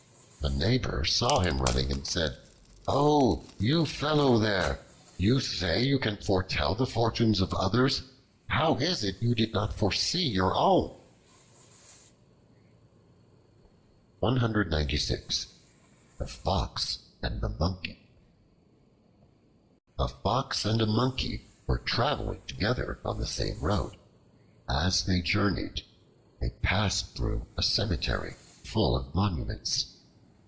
A neighbor saw him running and said, "Oh! you fellow there! you say you can foretell the fortunes of others; how is it you did not foresee your own?" The Fox and the Monkey A FOX and a Monkey were traveling together on the same road. As they journeyed, they passed through a cemetery full of monuments.